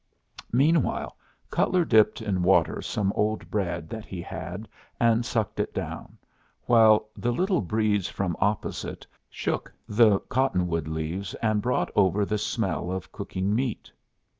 Meanwhile, Cutler dipped in water some old bread that he had and sucked it down, while the little breeze from opposite hook the cottonwood leaves and brought over the smell of cooking meat.